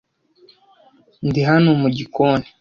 Ndi hano mu gikoni.